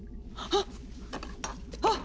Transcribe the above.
あっ！